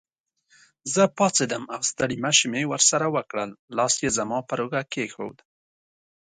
زه پاڅېدم او ستړي مشي مې ورسره وکړل، لاس یې زما پر اوږه کېښود.